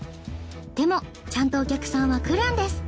でもちゃんとお客さんは来るんです！